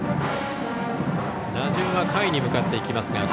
打順は下位に向かっていきます。